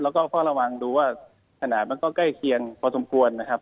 แล้วก็เฝ้าระวังดูว่าขนาดมันก็ใกล้เคียงพอสมควรนะครับ